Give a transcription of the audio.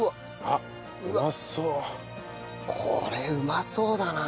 これうまそうだな。